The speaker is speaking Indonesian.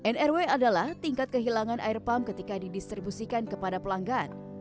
nrw adalah tingkat kehilangan air pump ketika didistribusikan kepada pelanggan